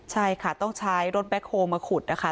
ใช่ค่ะต้องใช้รถแบ็คโฮลมาขุดนะคะ